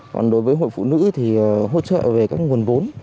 còn đối với hội phụ nữ thì hỗ trợ về các nguồn vốn